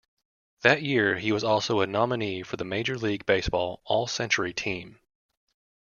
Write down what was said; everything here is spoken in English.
That year, he was also a nominee for the Major League Baseball All-Century Team.